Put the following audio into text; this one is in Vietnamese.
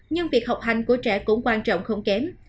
nhưng việc học hành của trẻ cũng quan trọng không kém